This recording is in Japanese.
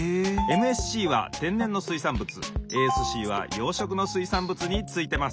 ・ＭＳＣは天然の水産物ＡＳＣは養殖の水産物についてます。